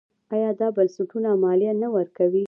آیا دا بنسټونه مالیه نه ورکوي؟